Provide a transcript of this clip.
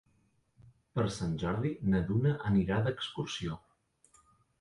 Per Sant Jordi na Duna anirà d'excursió.